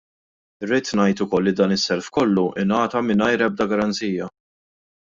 Irrid ngħid ukoll li dan is-self kollu ngħata mingħajr ebda garanzija.